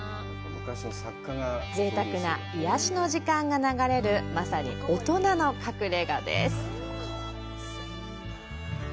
ぜいたくな癒やしの時間が流れるまさに大人の隠れがです。